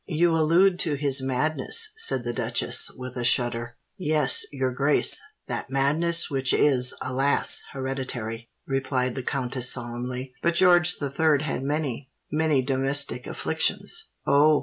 "You allude to his madness," said the duchess, with a shudder. "Yes, your grace—that madness which is, alas! hereditary," replied the countess solemnly. "But George the Third had many—many domestic afflictions. Oh!